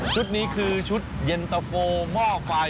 นี้คือชุดเย็นตะโฟหม้อไฟ